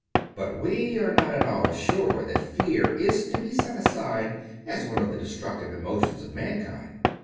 But we are not at all sure that fear is to be set aside as one of the destructive emotions of mankind.